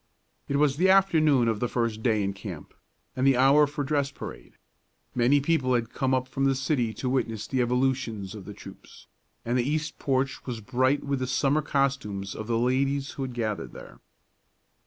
It was the afternoon of the first day in camp, and the hour for dress parade. Many people had come up from the city to witness the evolutions of the troops, and the east porch was bright with the summer costumes of the ladies who had gathered there.